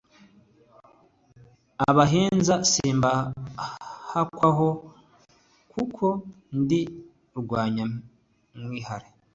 abahinza simbahakwako kuko ndi rwanyamwihare